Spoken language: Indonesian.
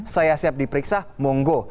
saya siap diperiksa monggo